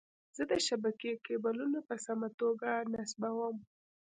زه د شبکې کیبلونه په سمه توګه نصبووم.